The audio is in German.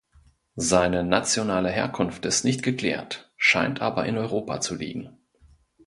Seine nationale Herkunft ist nicht geklärt, scheint aber in Europa zu liegen.